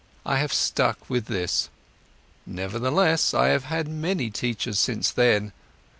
I have stuck with this. Nevertheless, I have had many teachers since then.